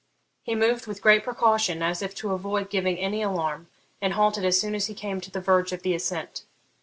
He moved with great precaution, as if to avoid giving any alarm, and halted as soon as he came to the verge of the ascent.